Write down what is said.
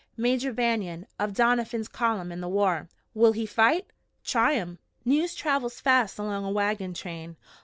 "Major Banion, of Doniphan's column in the war." "Will he fight?" "Try him!" News travels fast along a wagon train.